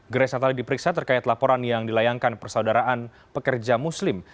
grace natali diperiksa terkait laporan yang dilayangkan persaudaraan pekerja muslim